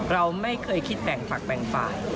เราไม่เคยคิดแบ่งฝักแบ่งฝ่าย